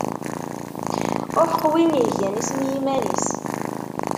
Uḥeqq win igan isem i yiman-is!